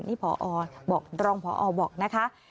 นี่รองพอบอกนะคะ